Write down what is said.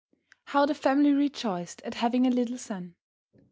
How the family rejoiced at having a little son!